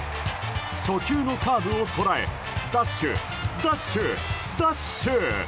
初球のカーブを捉えダッシュ、ダッシュ、ダッシュ！